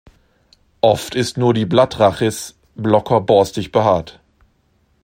Oft ist nur die Blattrhachis locker borstig behaart.